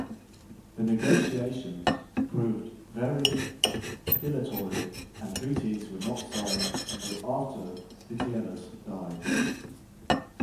The negotiations proved very dilatory and treaties were not signed until after Vitellius died.